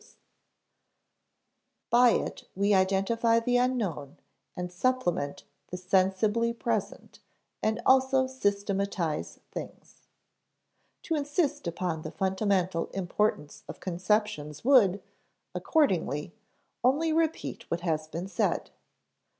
[Sidenote: By it we identify the unknown] [Sidenote: and supplement the sensibly present] [Sidenote: and also systematize things] To insist upon the fundamental importance of conceptions would, accordingly, only repeat what has been said.